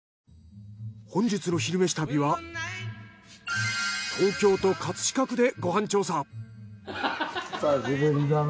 本日の「昼めし旅」は東京都葛飾区でご飯調査。